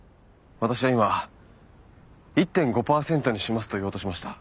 私は今「１．５％にします」と言おうとしました。